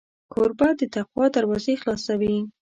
کوربه د تقوا دروازې خلاصوي.